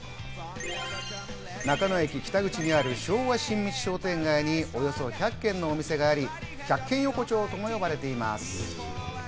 中野駅北口にある昭和新道商店街におよそ１００軒のお店があり、百軒横丁とも呼ばれています。